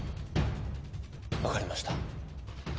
わかりました。